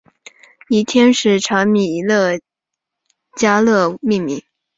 以天使长米迦勒命名。